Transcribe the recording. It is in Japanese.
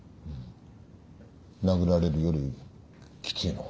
殴られるよりきついの？